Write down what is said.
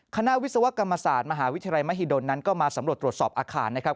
วิศวกรรมศาสตร์มหาวิทยาลัยมหิดลนั้นก็มาสำรวจตรวจสอบอาคารนะครับ